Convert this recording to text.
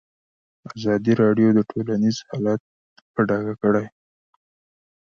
ازادي راډیو د ټولنیز بدلون حالت په ډاګه کړی.